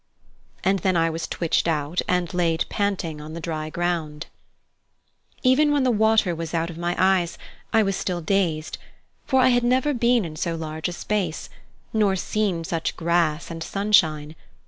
And then I was twitched out and laid panting on the dry ground. Even when the water was out of my eyes, I was still dazed, for I had never been in so large a space, nor seen such grass and sunshine.